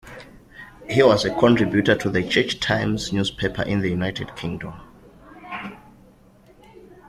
He was a contributor to the 'Church Times' newspaper in the United Kingdom.